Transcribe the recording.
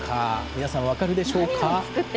皆さん、分かるでしょうか。